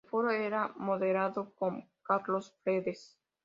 El foro era moderado por Carlos Fredes.